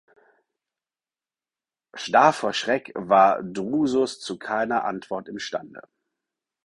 Starr vor Schreck war Drusus zu keiner Antwort im stande.